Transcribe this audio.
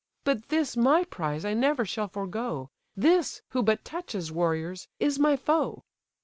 But this my prize I never shall forego; This, who but touches, warriors! is my foe."